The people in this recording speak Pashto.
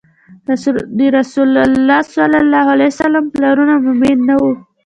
د رسول الله ﷺ پلرونه مؤمن نه وو